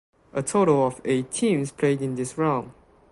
A total of eight teams played in this round.